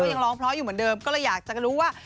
ยังร้องเพราะอยู่เหมือนเดิมก็เลยอยากจะรู้ว่า